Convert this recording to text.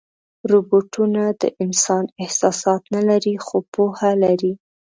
روبوټونه د انسان احساسات نه لري، خو پوهه لري.